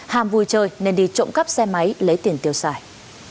ham vui chơi nên đi trộm cắp xe máy lấy tiền tiêu xài